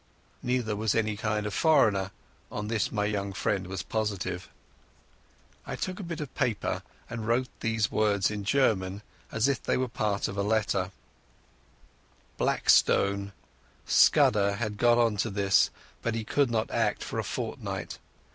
Neither was any kind of foreigner; on this my young friend was positive. I took a bit of paper and wrote these words in German as if they were part of a letter— ... "Black Stone. Scudder had got on to this, but he could not act for a fortnight.